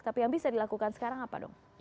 tapi yang bisa dilakukan sekarang apa dong